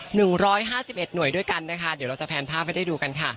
หนึ่งร้อยห้าสิบเอ็ดหน่วยด้วยกันนะคะเดี๋ยวเราจะแพนภาพให้ได้ดูกันค่ะ